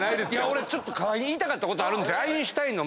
俺ちょっと河井に言いたかったことあるんですよ。